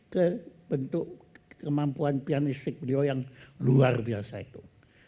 ke bentuk kemampuan pianistik beliau yang luar biasa itu